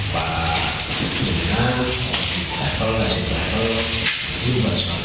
parkir tiket jawa tawang